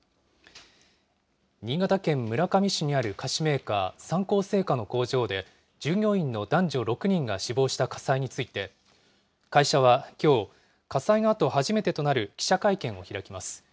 新潟県村上市にある菓子メーカー、三幸製菓の工場で、従業員の男女６人が死亡した火災について、会社はきょう、火災のあと初めてとなる記者会見を開きます。